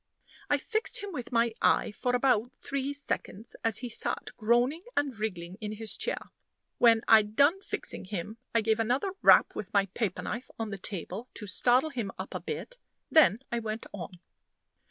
I fixed him with my eye for about three seconds, as he sat groaning and wriggling in his chair. When I'd done fixing him, I gave another rap with my paper knife on the table to startle him up a bit. Then I went on.